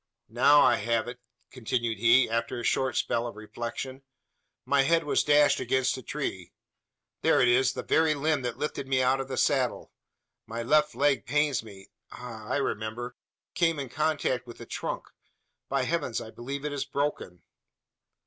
"Now I have it," continued he, after a short spell of reflection. "My head was dashed against a tree. There it is the very limb that lifted me out of the saddle. My left leg pains me. Ah! I remember; it came in contact with the trunk. By heavens, I believe it is broken!"